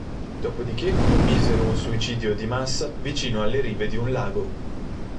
Dopodiché commisero un suicidio di massa vicino alle rive di un lago.